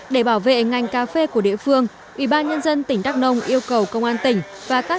để bảo vệ ngành cà phê của địa phương ủy ban nhân dân tỉnh đắk nông yêu cầu công an tỉnh và các